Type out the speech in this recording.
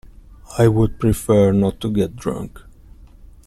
I would prefer not to get drunk.